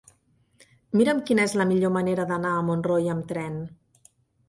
Mira'm quina és la millor manera d'anar a Montroi amb tren.